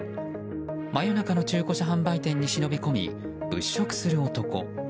真夜中の中古車販売店に忍び込み物色する男。